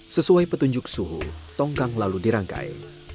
sesuai petunjuk suhu tongkang lalu dirangkai